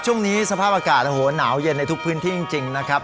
ช่วงนี้สภาพอากาศโอ้โหหนาวเย็นในทุกพื้นที่จริงนะครับ